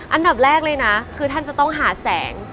อันดับแรกเลยนะคือท่านจะต้องหาแสง